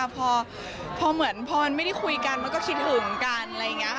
พอเหมือนไม่ได้คุยกันมันก็คิดถึงกันอะไรเงี้ยค่ะ